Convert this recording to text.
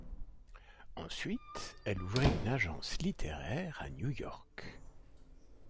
Ensuite, elle ouvrit une agence littéraire à New York.